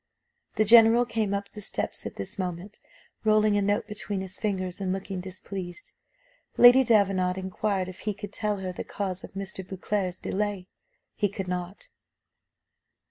The general came up the steps at this moment, rolling a note between his fingers, and looking displeased. Lady Davenant inquired if he could tell her the cause of Mr. Beauclerc's delay. He could not.